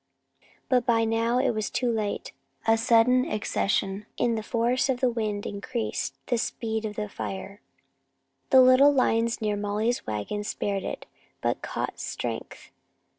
But by now it was too late. A sudden accession in the force of the wind increased the speed of the fire. The little line near Molly's wagon spared it, but caught strength.